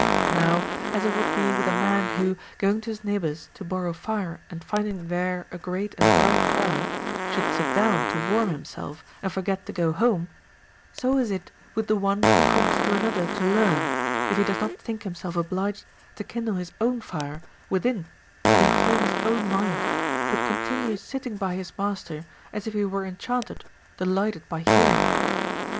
Now, as it would be Λνϊίΐι a man Λνΐιο, going to his neighbor's to borrow Are and finding there a great and bright fire, should sit down to warm himself and forget to go home ; so is it with the one who comes to another to learn, if he does not think himself obliged to kindle his own fire with in and inflame his own mind, but continues sitting by his master as if he were enchanted, delighted by hearing.